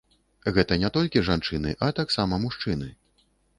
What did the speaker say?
Гэта не толькі жанчыны, а таксама мужчыны.